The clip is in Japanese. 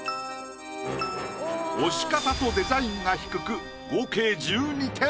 押し方とデザインが低く合計１２点。